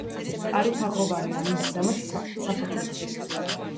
კარი თაღოვანია, მის ზემოთ სათოფურია.